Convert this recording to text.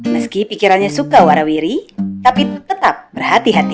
meski pikirannya suka warawiri tapi tetap berhati hati